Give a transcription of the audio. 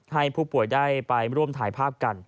ให้ผู้ป่วยได้ไปร่วมถ่ายภาพกัน